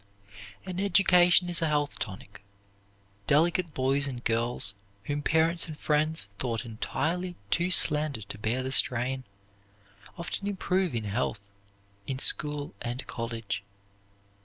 An education is a health tonic. Delicate boys and girls, whom parents and friends thought entirely too slender to bear the strain, often improve in health in school and college.